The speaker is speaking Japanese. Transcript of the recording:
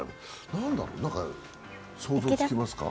何だろう、何か想像つきますか？